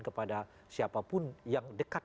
kepada siapapun yang dekat